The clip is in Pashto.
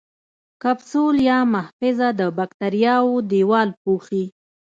کپسول یا محفظه د باکتریاوو دیوال پوښي.